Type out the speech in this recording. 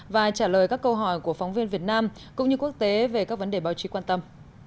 và trả lời các câu hỏi của phóng viên việt nam cũng như quốc tế về các vấn đề báo chí quan tâm